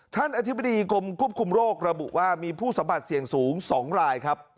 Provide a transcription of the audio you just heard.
อธิบดีกรมควบคุมโรคระบุว่ามีผู้สัมผัสเสี่ยงสูง๒รายครับ